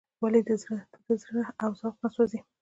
ولې د ده زړه او ذوق نه سوزي.